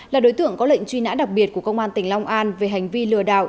là đối tượng có lệnh truy nã đặc biệt của công an tỉnh long an về hành vi lừa đảo